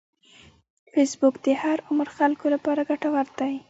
فېسبوک د هر عمر خلکو لپاره ګټور دی